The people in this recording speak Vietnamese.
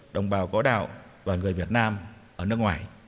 đồng bào có đạo và người việt nam ở nước ngoài